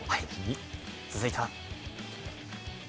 続いては。